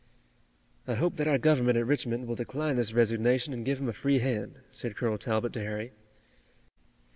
"I hope that our government at Richmond will decline this resignation and give him a free hand," said Colonel Talbot to Harry.